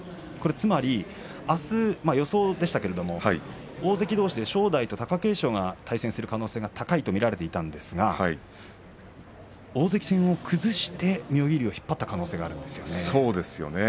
つまりあすは予想ですけれど正代と貴景勝が対戦する可能性が高いとまで言っていたんですけれど大関戦を崩して妙義龍を引っ張った可能性があるんですよね。